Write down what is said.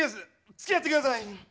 つきあって下さい。